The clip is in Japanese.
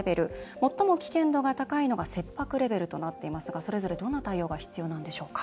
最も危険度が高いの切迫レベルとなっていますがそれぞれ、どんな対応が必要なんでしょうか？